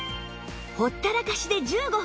ほったらかしで１５分